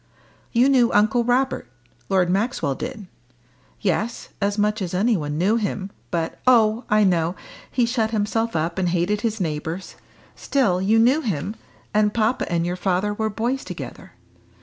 "You knew Uncle Robert Lord Maxwell did?" "Yes as much as anybody knew him but " "Oh, I know: he shut himself up and hated his neighbours. Still you knew him, and papa and your father were boys together.